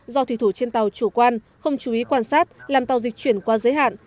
do thủy thủ trên tàu chủ quan không chú ý quan sát làm tàu dịch chuyển qua giới hạn